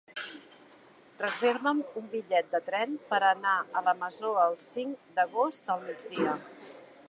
Reserva'm un bitllet de tren per anar a la Masó el cinc d'agost al migdia.